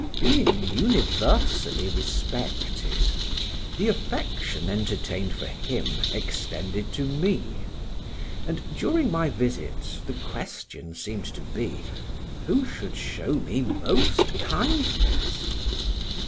Being universally respected, the affection entertained for him extended to me: and, during my visits, the question seemed to be, who should show me most kindness.